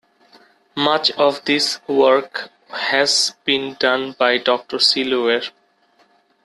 Much of this work has been done by Doctor C. Luer.